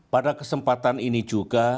pada kesempatan ini juga